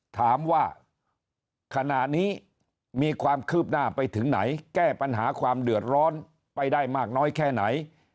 ถามว่าขณะนี้มีความคืบหน้าไปถึงไหนแก้ปัญหาความเดือดร้อนไปได้มากน้อยแค่ไหน